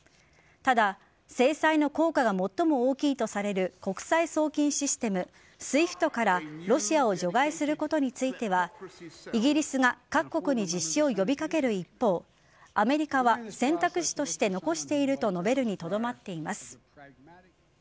ただ制裁の効果が最も大きいとされる国際送金システム＝ＳＷＩＦＴからロシアを除外することについてはイギリスが各国に実施を呼び掛ける一方アメリカは選択肢として残していると述べるにとどまっています。